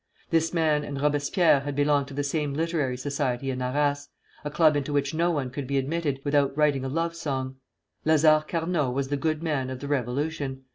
This man and Robespierre had belonged to the same Literary Society in Arras, a club into which no one could be admitted without writing a love song. Lazare Carnot was the good man of the Revolution.